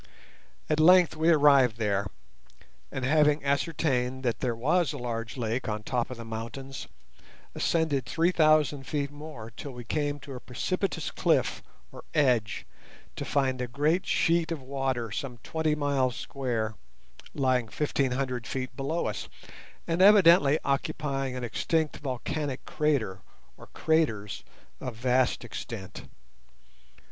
At length we arrived there, and, having ascertained that there was a large lake on top of the mountains, ascended three thousand feet more till we came to a precipitous cliff or edge, to find a great sheet of water some twenty miles square lying fifteen hundred feet below us, and evidently occupying an extinct volcanic crater or craters of vast extent.